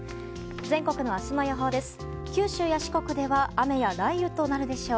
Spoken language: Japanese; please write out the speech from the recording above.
全国の明日の予報です。